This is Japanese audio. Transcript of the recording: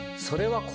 それは。